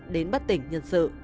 đến bất tỉnh nhân sự